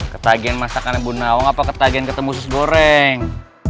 ketagihan masakan di bu nawang apa ketagihan ketemu sus goreng